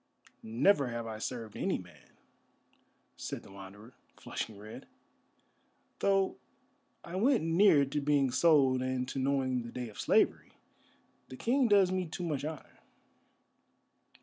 "Never have I served any man," said the Wanderer, flushing red, "though I went near to being sold and to knowing the day of slavery. The King does me too much honour."